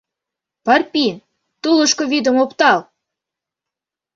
Порпин, тулышко вӱдым оптал!